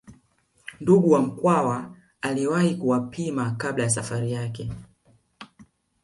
Ndugu wa Mkwawa aliwahi kuwapima kabla ya Safari yake